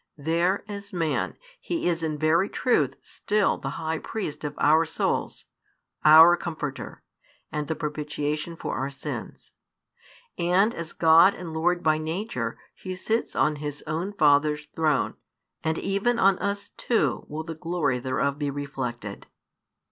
There, as Man, He is in very truth still the High Priest of our souls, our Comforter, and the propitiation for our sins; and, as God and Lord by Nature, He sits on His own Father's throne, and even on us too will the glory thereof be reflected.